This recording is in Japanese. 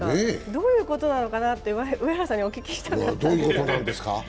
どういうことなのかなと、上原さんにお聞きしたかったんですけど。